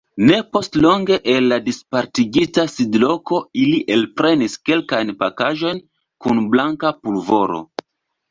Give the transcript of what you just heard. Ne postlonge el la dispartigita sidloko ili elprenis kelkajn pakaĵojn kun blanka pulvoro.